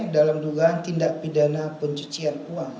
dalam dugaan tindak pidana pencucian uang